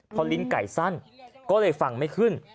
พอลิ้นไก่สั้นก็เลยฟังไม่ขึ้น